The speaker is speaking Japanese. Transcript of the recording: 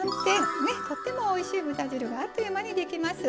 とってもおいしい豚汁があっという間にできます。